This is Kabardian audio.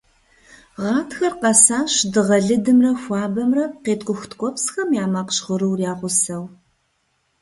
Гъатхэр къэсащ дыгъэ лыдымрэ хуабэмрэ, къеткӀух ткӀуэпсхэм я макъ жьгъырур я гъусэу.